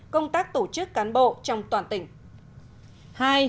công tác tổ chức cán bộ trong toàn tỉnh